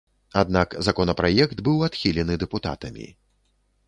Аднак законапраект быў адхілены дэпутатамі.